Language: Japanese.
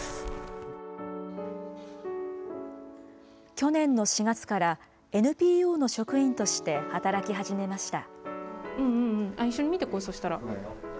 去年の４月から、ＮＰＯの職員として働き始めました。